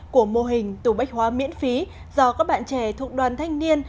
của mô hình tù bách hóa miễn phí do các bạn trẻ thuộc đoàn thanh niên